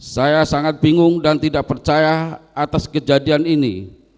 saya sangat bingung dan tidak percaya atas kejadian ini